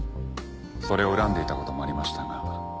それを恨んでいた事もありましたが。